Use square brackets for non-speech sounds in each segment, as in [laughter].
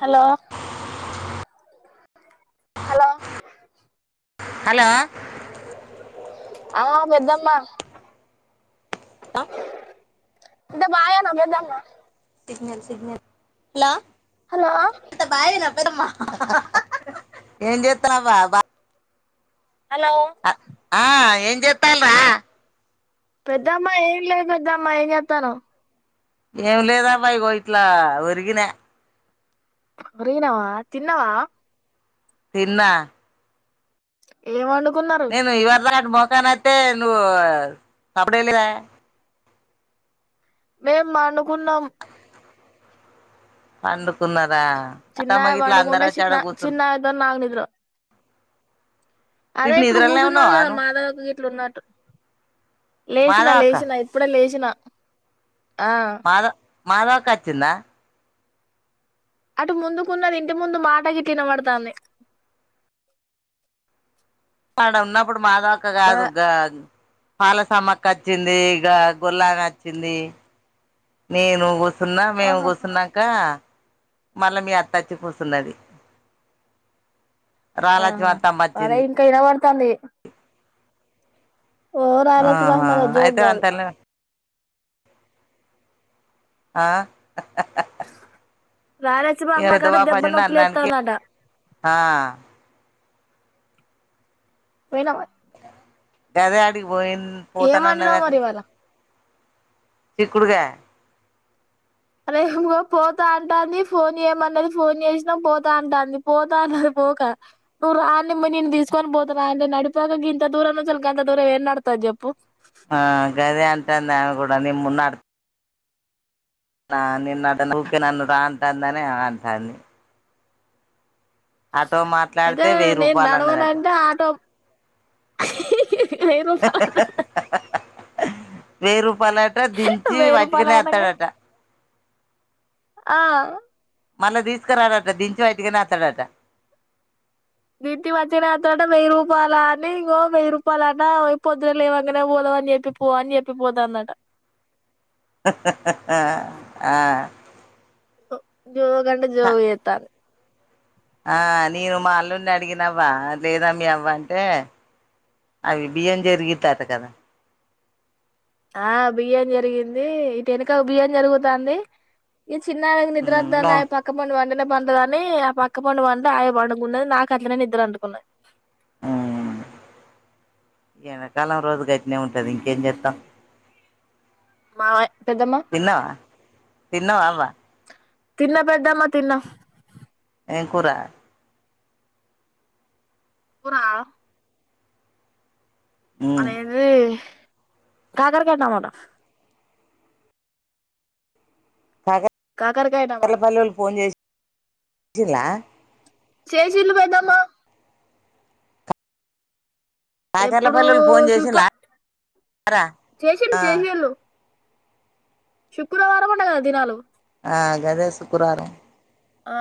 Hello hello hello ఆవో పెద్దమ్మా ఇదొ బాయెన పెద్దన్న సిగ్నల్ సిగ్నల్ హలో బాయేనా ఏం చేత్తనా బా హలో ఆ ఏం చెత్తాల్ రా పెద్దమ్మా ఏం లేదు పెద్దమ్మా ఏం చేత్తనవ్. ఏం లేదంవ ఇగో ఇట్లా ఒరిగిన. ఒరినావా తిన్నవా. తిన్న. ఏం వండు నేను ఇవర్రా మోకానతే నువ్వు, సబడలిర మేం మనుకున్నం. పండ్ కున్నారా, అత్తమ చిన్నాయ గిట్ల అందరొచ్చి ఆడ గుసున్ రు అదే ఇప్పుడు నిద్రలనే గుసున్నరు ఉన్నావా కదా నువ్వు మాధవ కి ఇట్లున్నట్టు. లేచినా మాధవ లేచినా ఇప్పుడే లేచిన. ఆ మాధవ మాధవ అక్క వచ్చిందా అటు ముందుకున్నది ఇంటి ముందు మాటకి తినబడతాంది ఆడ ఉన్నప్పుడు మాదవ అక్క బా కాదు గా పాలసమ్మక్క వచ్చింది ఇక గొల్లా వచ్చింది నేను కూ కూసున్నక మేము ఆహా కూర్చున్నాక మళ్ళా మీ అత్తచ్చి కూసున్నది ఆహా అదేఏ ఇంకా వినవడత దాలి ప పి. ఓ రాయలసీమ ఆహా మహమ్మద్ జోక్ అయితే కాదు అంతలోనే ఆ హా హా రాలేచ్చి బా అమ్మ కడ దెబ్బ నొప్పిలు అన్నానికి లేస్తదాట ఆ పోయినావా గదే అడిగితే పోయి పోతాన ఏమన్నావ్ అన్నదా మరి ఇవాళ చికుడికాయ అదే ఇంకో పోతా అంటాంది ఫోన్ ఏమన్నది ఫోన్ చేసినా పోతా అంటాంది పోతా అన్నది పోక నువ్వు రానిమ్మ నేను తీసుకొని పోతాను రా నడిపోక ఇంత దూరం నుంచి వాళ్ళకి అంత దూరం ఏం నడతంది చెప్పు ఆ గదే అంటాది కూడా నిము నడు నిన్న నిన్న ఊక నన్ను రా అంటాది అని ఆ అంటంది అయితే మాట్లాడితే వెయ్యి నేను రూపాయలు అన్నదట నడవనంటే ఆటో హి హి లేదు వేరు పలాటా దించి వెయ్యి రూపాయలు వాట్కనే అనంగా వత్తాడట ఆ మళ్ళా తీసుకురాడట దించి బయటికినే వస్తాడట దీటి మధ్యనేత్రంట వెయ్యి రూపాయ అని ఇంకో వెయ్యి రూపాయల అంట పొద్దున లేవకనే పోదావ అని చెప్పి పో అని చెప్పిపోదుా అన్నట ఆ ఆ జో కంట జోవ ఏతాను ఆ నేను మా అల్లుండి అడిగినవవా లేదమ్మ అవ్వ అంటే అవి బియ్యం జరిగుతట కదా ఆ బియ్యం జరిగింది ఇటు వెనక బియ్యం జరుగుతుంది ఈది చిన్నా నిద్ర ద పక్కం పడువా న్న పండుగ కాని ఆ పక్క పండు పండు ఆ పండుగ ఉన్నది నాకు అట్ ననే నిద్దరు అంటుకున్నది ఎకాలం రజదు కై ఏటనే ఉంటది ఇంకేం చేస్తా. మామయ్య పెద్దమ్మ తిన్నవా తిన్నవా అవా తిన్న పెద్దామా తిన్న ఎంకురా కూర ఆ అనేధి కాకర్ గడ అనమట కాగే కాకరకాయ టమాటా కార్లపల్లెలు ఫోన్ చేసిలా. చేసిలు పెద్దమ్మ కాకర్లపల్లివళ్లు ఫోన్ చేసి లా. చేసర్లు చేసేరైలు శుక్రవారం అంట కదా దినాలు. ఆ గదే శుక్రవారం ఆ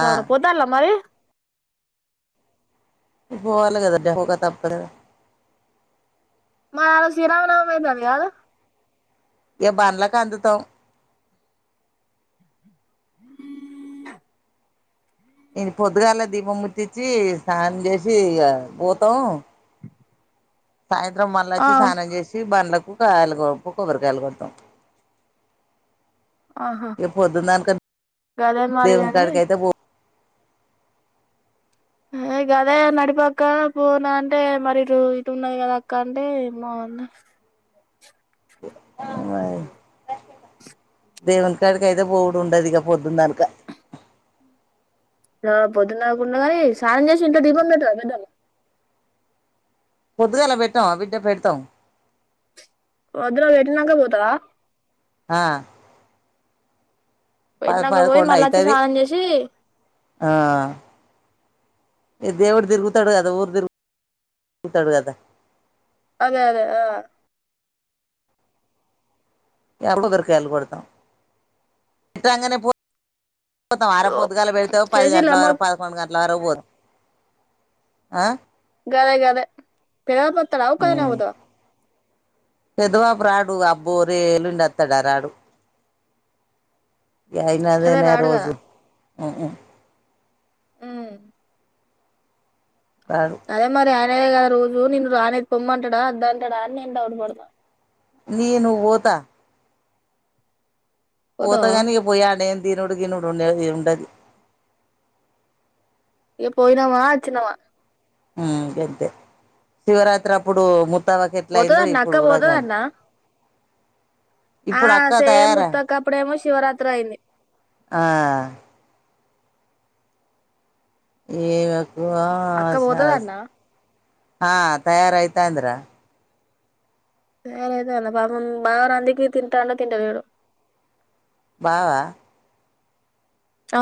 ఆ పోతల మరి పోలాగాదడహగా తాప్పదుగా ఆ ఆరోజు శ్రీరామానవమి అయితుాది కదు ఏ బండ్లకు అందుతాం ఇ పొద్దుగాలా దీపం ముట్టించిి స్నానం చేసి ఇగా పోతాం సాయంత్రం ఆ మళ్ళాచ్చి స్నానం చేసి బండ్లకు ఇంకా అయలు పక్క పరుకాయలు కొడత్తం ఆహా ఏ పొద్దుందక గదే మరి అని దేవునికాడి అయితే పో కదే నడిపక్క పోనా అంటే మరి ఇటు ఇటు ఉన్నాది కదా అక్క అంటే మోనా అ దేవున్కాడికియితే బోవుడు ఉండదు ఇక పొద్దుందనుక ఆ పొద్దున్నకున్న కానీ స్నానం చేసి ఇంట్లో దీపంపేటద పెదమ్. కొద్గాల పెట్టాంమా బిడ్డ పెడతాం. పొద్దున్న పేటీనంకె పోతారా. ఆా యినాక పోయి మళ్ళాచ్చి అయితది స్నానం చేసి! ఇ దేవుడు తిరుగుతాడు కదా ఊరు తిరుగుతాడు కదా. అదే అదే ఆ ఏర్లులోదొరికేయళ కొడుత ఇట అ బాగానే పో కొొత్తం వారం పొద్దుగాలు పెడతేావు పది గంటల చేసిల్లా అమ్మ వర పదకొండు గంటలు. లారవర్ ఆ గదే గదే పెర పోతార అవు ఒక కదనీవే పోతావా. ఎదువా బ్రాడు ఆ పోనీ ఎల్లుండి వత్తడ రాడు అదే గైనదేన రాడు కదా రోజు హు హు హుమ్ రాడు అదే మరి ఆ అ కదా రోజు నిన్ను రానేకి పొమ్మంటడా అద్దంటడ అని నేను డౌట్ పడతా నేను బోత పోత పోతవా గాని ఆడ పోయి తినుడు గినుడు ఉండదు ఏం ఉండదు ఏ పోయినామా వచ్చినమా హుమ్ గంతే శివరాత్రి అప్పుడు ము పోతదట్న అక్క పోతాదట్నా ఆ ఇప్పుడు అక్క సేమ్ తయారా ఉత్తకప్పుడేమో శివరాత్రి అయింది ఆ ఏ గ అక్క పోతదన్న ఆ తయారయితాంది రా మేమైతే వాల పాపన్ మనవరాలికి తింటన్ అంటే తింటన్ ఎవరో బావా ఆ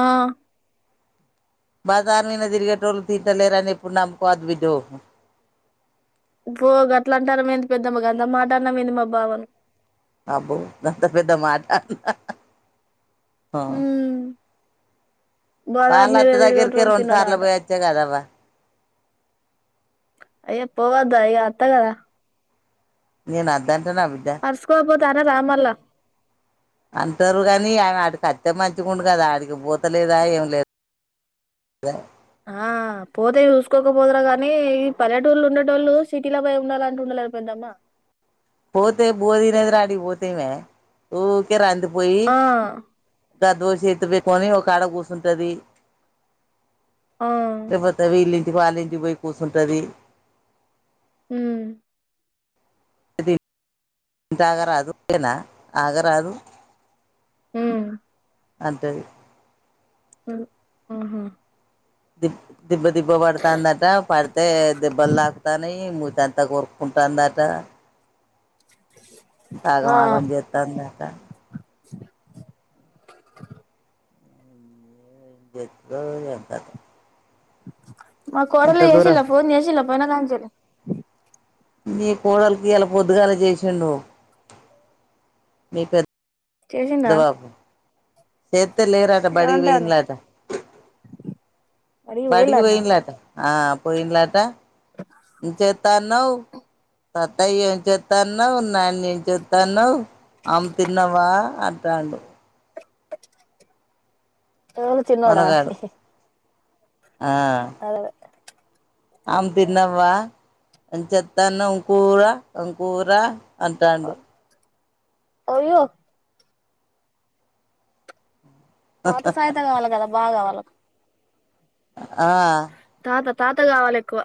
బాజార్ మీనా తిరిగేటోళు తింటలేరని ఎప్పుడు నమ్మకోవదు బిడ్డో ఇప్పు గట్ల అంటన్న వెంది పెద్దమ్మ గంత మాట అన్నావ్ ఏంది మా బావని అబ్బో గంత పెద్ద మాట ఆ బజార్ వాళ మీద అత్త దగ్గరికే తిరిగేటోడు రొండు సార్లు తిన్నడాట పోయోతివి కద వా అయ్ పోవద ఇగా అత్తగద నేను అద్దన్ టనా బిడ్డ అరుసుకోకపోతే అనరా మల్లా అంటారు గాని ఆయన అతికొత్తే మంచిగుండు కదా ఆడికి పోతలేదా ఏం లేదు ఆ పోతే చూసుకోకపోదురుగానీ ఈ పల్లెటూళ్లో ఉండేటోల్లు సిటీలో పోయి ఉండాలంటుండ లేరు పెద్దమ్మ పోతే బోది లేరా అటిక్ పోతేమీ ఊర్కే ర ఆ ఆ దోశ ఎత్తు పెకొని ఒక ఆడ కుసుంటది ఆ తపోతవ ఇల్లి వాళ్ళింటి పోయి కూసుంటది హుమ్ తాగా రాదు పిలా ఆగ రాదు ఉమ్ అదన్ అ ఆహా ద దిబ్బ దిబ్బ పడుతాందట పడితే దబ్బలు తాకుతాని ము ఎంత కోరుకుంటుందట తాగం ఆ ఆగం జతాందకా ఎంత మా దూరం కరలేసా ఫోన్ అసినా [inaudible] నీ కోడలకి ఇలా పొద్దుగాల చేసిండు మీకు చేసిండ స త్త లే రాత బడికి పోయిందట అడిగి బడికి పోయిలన్న పోయినలాటా ఆ పోయిలాట చె చెస్తాన్నావు తత్తయ్య ఏం చెస్తాన్నావు నాన్న ఏం చెస్తాన్నావు అమ్ము తిన్నావా అంటాడు వెళ త నోడా మనగాడు ఆ అదే ఆమ్ తిన్నవా అ చెత్తానుంకూర అంకూర అంటాండు అయ్యో తాత సాయతంగా అలాగద బాగా వాళ్ళకు ఆ తాత తాత కావాలి ఎక్కువ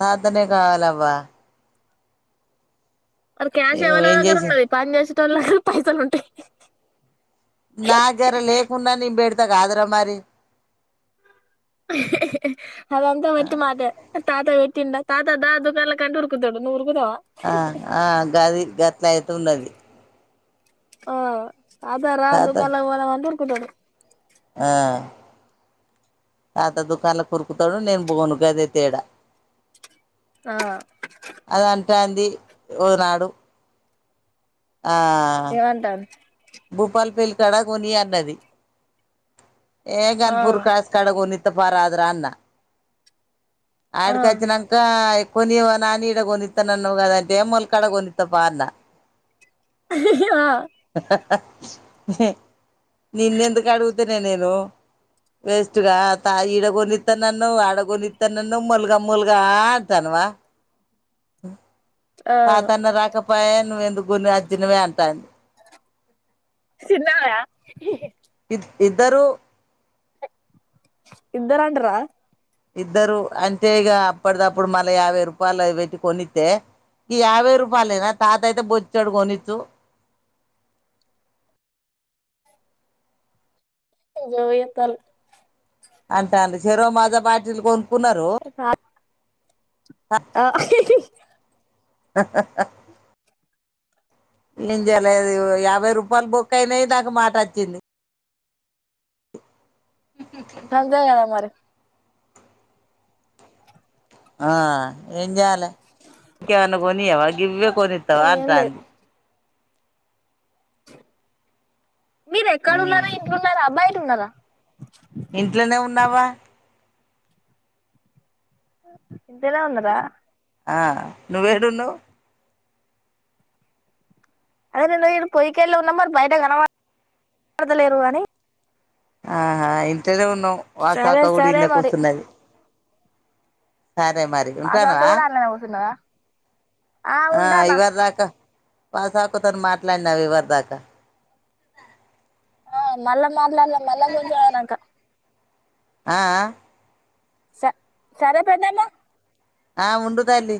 తాతని కావాలవ్వ అది క్యాష్ నేను ఎవళ్ళూ ఏం దగ్గర చేసిన ఉన్నది పంచేసి లలు పైసలు ఉంటా నా దగ్గర లేకున్న నిం బేడ అంత కాదుర మరి అదంతా వొత్తి మాట తాతా వట్టింట తాతా దా దగాలా కంూరుకుాడుూరు ఆ ఆ గది గట్లయితున్నది. ఆ అద రా తాత దుకాన్లకీ పోదాం అంటే కుడడు. ఆ తాత దుకాన్లోకి ఉరుకుతాడు నేను బోను గదే తేడా ఆ అది అంటాంది. ఒకనాడు ఆ ఏమంటాను భూపాల్ పేల్కాడ కొనియన్నది. ఏ గ ఆ అన్పూర్ కాస్ కడాగోని త పారదరాన్న ఆ ఆడికి వచ్చినంక కొనివ నా ఈడగనిత్త నన్నవ్ గదంటే ఎమల్ కాడకొనిత్తాప అన్న ఆ నిన్నెందుకు అడుగుతేనే నేను వేస్ట్గా త ఇడగనిస్తా నన్నవ్ ఆడగోని తన్నావ్ ముల్గా ముల్గా ఆంటన్వా ఉ ఆ తాతాన్న రాకపో పాయె నువ్వు ఎందుకు కొన్నియ్యవ్ అచ్చినవేయాంటాంది. చిన్నాయ ఇది ఇద్దరు ఇద్దరండరా ఇద్దరు అంటే ఇగ అప్పటిదప్పుడు మళ్ళా యాభై రూపాయలు అది పెట్టి కొనిత్తే ఈ యాభై రూపాయలయినా తాత అయితే బొచ్చడు కొనిచ్చు. జోయితల్ అంటాండ్రి చెరో మాజా బాటిల్ కొని కున్నరు ఆ [unintelligible] అ అ అ ఏం చేయాలది యాభై రూపాయలు బొక్కయినాయి. నాక్ మాటచ్చంది. అంతే కదా మరి ఆ ఏం చేయాలి ఇంకా ఏం అన్న కొనియ్యవ ఇవ్వ కోనిత్తవా ఏం లేదు అంటంది. మీరు ఉమ్ ఎక్కడున్నారు ఇంట్లన్నారా బయట ఉన్నారా ఇంట్లోనే ఉన్నావా ఇంట్లనే ఉన్నారా ఆ నువ్వేడు ఉన్నావ్ అదే నేను పొయకేళ్ళు ఉన్నా మరి బయట కనబడతలేరు. అని ఆహా ఇంట్లనే ఉన్ సరే వాసాక్క కూడ సరే ఇన్నే మరి కూర్స్తున్నది. సరే మరి ఆ తాత ఉంటానవా కూడా అన్లనే కూసున్నదా ఆ ఉంటానా ఇవరి దాకా వాసక్కతోటి మాట్లాడినవ్ ఇవ్వరదాకా న మళ్ళా మీ మళ్ళా మాట్లాడదాం మళ్ళా కొంచం అయినాక ఆ ఆ స సరే పెద్దమ్మ ఆ ఉండు తల్లీ